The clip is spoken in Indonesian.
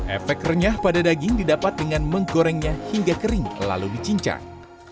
efek renyah pada daging didapat dengan menggorengnya hingga kering lalu dicincang